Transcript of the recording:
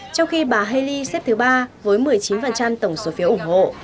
trong khi bà haley xếp thứ ba với một mươi chín tổng số phiếu ủng hộ